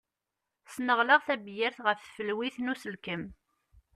Sneɣleɣ tabyirt ɣef tfelwit n uselkem.